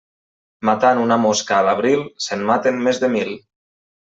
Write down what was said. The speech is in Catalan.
Matant una mosca a l'abril, se'n maten més de mil.